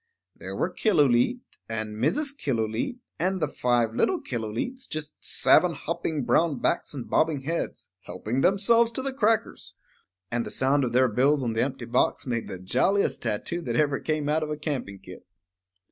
There were Killooleet, and Mrs. Killooleet, and the five little Killooleets, just seven hopping brown backs and bobbing heads, helping themselves to the crackers. And the sound of their bills on the empty box made the jolliest tattoo that ever came out of a camping kit.